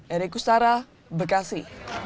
erik ustara bekasi